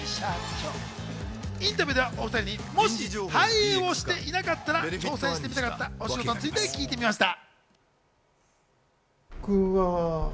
インタビューでは、お２人にもし俳優をしていなかったら、挑戦してみたかったお仕事について聞いてみました。